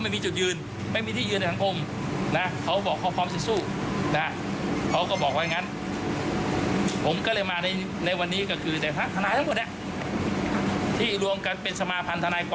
กระทำรุนแรงเกินกว่าเหตุปฏิบัติหน้าที่โดยมิชอบตามมาตรา๑๕๗ค่ะ